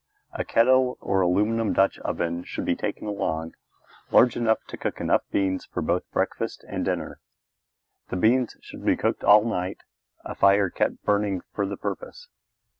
A kettle or aluminum Dutch oven should be taken along, large enough to cook enough beans for both breakfast and dinner. The beans should be cooked all night, a fire kept burning for the purpose.